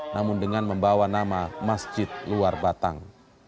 namun dengan membawa nama masjid luar batang